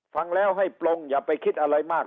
ฟังแล้วให้ปลงอย่าไปคิดอะไรมาก